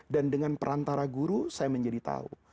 dan dengan perantara guru saya menjadi tahu